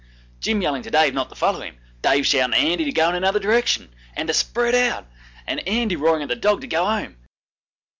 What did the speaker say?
Jim yelling to Dave not to follow him, Dave shouting to Andy to go in another direction to 'spread out', and Andy roaring at the dog to go home.